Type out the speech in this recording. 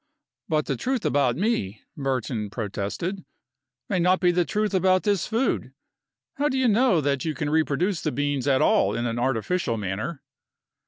"But the truth about me," Burton protested, "may not be the truth about this food. How do you know that you can reproduce the beans at all in an artificial manner?"